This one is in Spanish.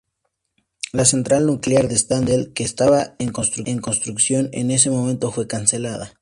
La central nuclear de Stendal, que estaba en construcción en ese momento, fue cancelada.